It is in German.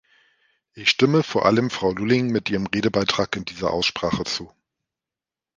Ich stimme vor allem Frau Lulling mit ihrem Redebeitrag in dieser Aussprache zu.